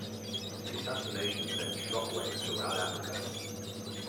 The assassination sent shock waves throughout Africa.